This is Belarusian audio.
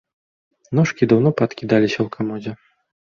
Ножкі даўно паадкідаліся ў камодзе.